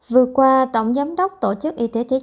vừa qua tổng giám đốc tổ chức y tế thế giới cho biết